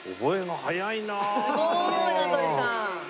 すごーい名取さん！